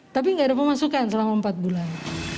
tapi nggak ada pemasukan selama empat bulan